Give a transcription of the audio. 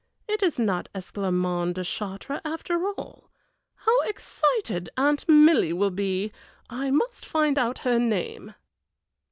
It is not Esclarmonde de Chartres after all! How excited Aunt Milly will be! I must find out her name."